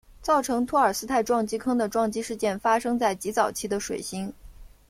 造成托尔斯泰撞击坑的撞击事件发生在极早期的水星。